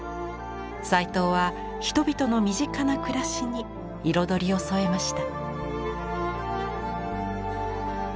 斎藤は人々の身近な暮らしに彩りを添えました。